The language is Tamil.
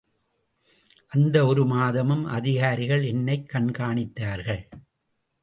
அந்த ஒரு மாதமும் அதிகாரிகள் என்னைக் கண்காணித்தார்கள்.